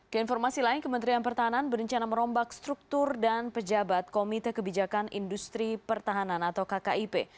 keinformasi lain kementerian pertahanan berencana merombak struktur dan pejabat komite kebijakan industri pertahanan atau kkip